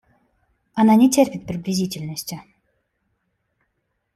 Она не терпит приблизительности.